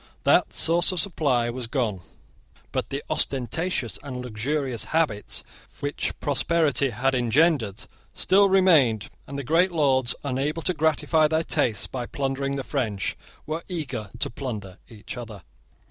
That source of supply was gone: but the ostentatious and luxurious habits which prosperity had engendered still remained; and the great lords, unable to gratify their tastes by plundering the French, were eager to plunder each other.